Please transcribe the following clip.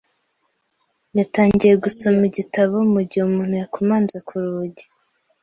Yatangiye gusoma igitabo mugihe umuntu yakomanze ku rugi .